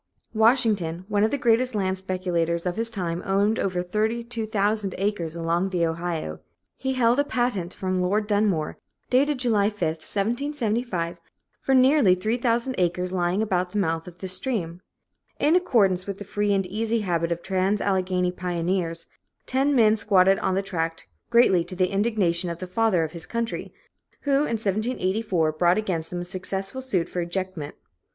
Washington, one of the greatest land speculators of his time, owned over 32,000 acres along the Ohio. He held a patent from Lord Dunmore, dated July 5, 1775, for nearly 3,000 acres lying about the mouth of this stream. In accordance with the free and easy habit of trans Alleghany pioneers, ten men squatted on the tract, greatly to the indignation of the Father of his Country, who in 1784 brought against them a successful suit for ejectment.